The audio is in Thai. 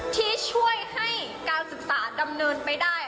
ที่ช่วยให้การศึกษาดำเนินไปได้